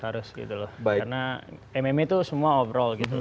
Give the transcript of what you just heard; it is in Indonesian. karena mma itu semua off role gitu